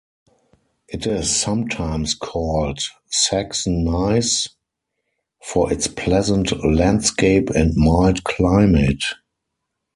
It is sometimes called "Saxon Nice" for its pleasant landscape and mild climate.